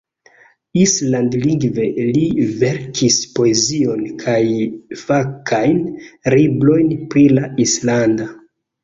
Island-lingve li verkis poezion kaj fakajn librojn pri la islanda.